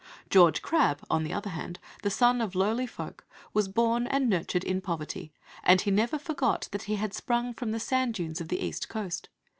George Crabbe, on the other hand, the son of lowly folk, was born and nurtured in poverty, and he never forgot that he had sprung from the sand dunes of the East Coast.